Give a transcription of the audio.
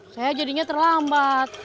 saya jadinya terlambat